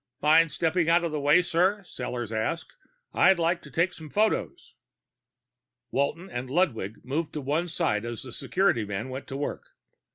"Mind stepping out of the way, sir?" Sellors asked. "I'd like to take some photos." Walton and Ludwig moved to one side as the security man went to work.